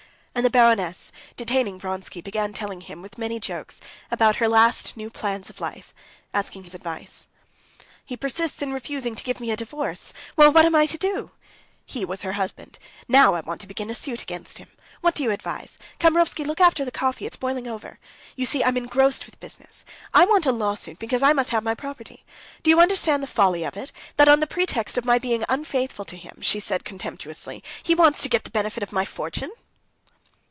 And the baroness, detaining Vronsky, began telling him, with many jokes, about her last new plans of life, asking his advice. "He persists in refusing to give me a divorce! Well, what am I to do?" (He was her husband.) "Now I want to begin a suit against him. What do you advise? Kamerovsky, look after the coffee; it's boiling over. You see, I'm engrossed with business! I want a lawsuit, because I must have my property. Do you understand the folly of it, that on the pretext of my being unfaithful to him," she said contemptuously, "he wants to get the benefit of my fortune."